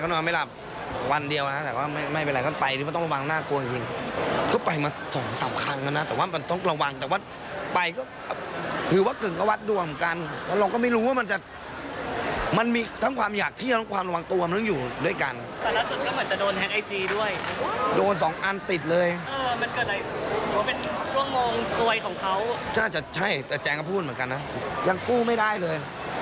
น่าจะใช่แต่แจ๊งก็พูดเหมือนกันนะยังกู้ไม่ได้เลย